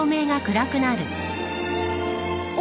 お！